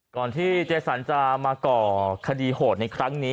ก่อนที่เจสันจะมาก่อคดีโหดในครั้งนี้